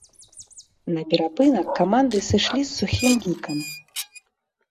На перапынак каманды сышлі з сухім лікам.